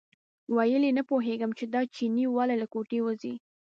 ویل یې نه پوهېږم چې دا چینی ولې له کوټې وځي.